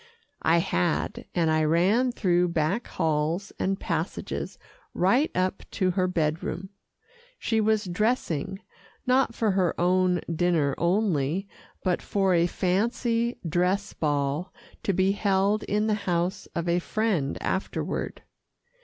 I had, and I ran through back halls and passages right up to her bed room. She was dressing, not for her own dinner only, but for a fancy dress ball to be held in the house of a friend afterward.